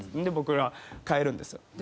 で僕ら帰るんですよ。